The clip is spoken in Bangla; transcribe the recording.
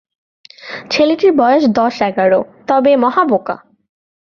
ছেলেটির বয়স দশ-এগার, তবে মহাবোকা।